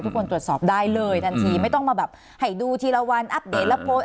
ตรวจสอบได้เลยทันทีไม่ต้องมาแบบให้ดูทีละวันอัปเดตแล้วโพสต์